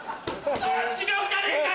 違うじゃねえかよ！